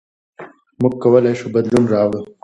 موږ کولای شو بدلون راوړو.